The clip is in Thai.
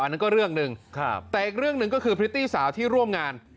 นั่นก็เรื่องหนึ่งแต่อีกเรื่องหนึ่งก็คือพริตตี้สาวที่ร่วมงาน